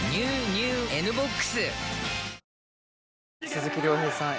鈴木亮平さん